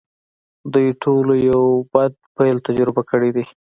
دوی ټولو یو بد پیل تجربه کړی دی